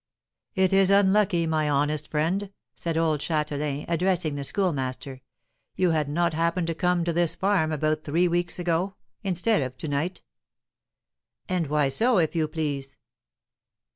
"It is unlucky, my honest friend," said old Châtelain, addressing the Schoolmaster, "you had not happened to come to this farm about three weeks ago, instead of to night." "And why so, if you please?"